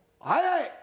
はい！